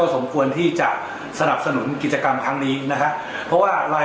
สามารถสนุนขี้นะคะพบว่าว่า